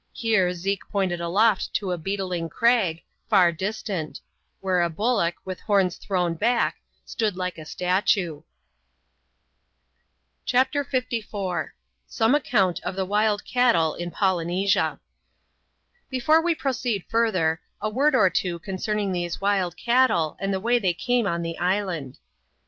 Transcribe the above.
Here, Zeke pointed aloft to a beetling crag, far distant ; where a bullock, with horns thrown back, stood like a statue. i^MAP. UY.] WILD CATTLE IN POLYNESIA. 309 CHAPTER LIV. Some aeeonnt of the Wild Cattle in Polynesisu Bbfobb we proceed further, a word or two concerning these wild cattle, and the way they came on the island.